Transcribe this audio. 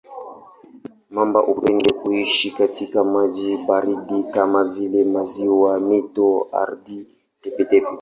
Mamba hupenda kuishi katika maji baridi kama vile maziwa, mito, ardhi tepe-tepe.